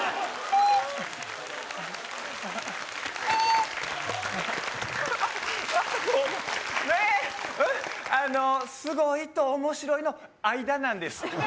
うんあのすごいと面白いの間なんです